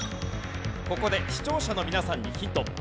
ここで視聴者の皆さんにヒント。